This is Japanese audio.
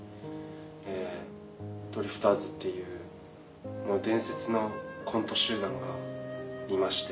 ドリフターズっていう伝説のコント集団がいまして。